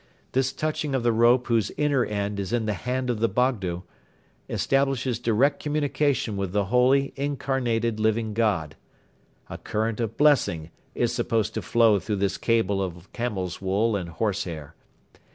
This touching of the rope whose inner end is in the hand of the Bogdo establishes direct communication with the holy, incarnated Living God. A current of blessing is supposed to flow through this cable of camel's wool and horse hair.